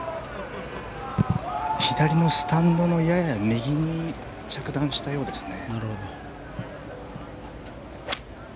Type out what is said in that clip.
左のスタンドのやや右に着弾したようですね。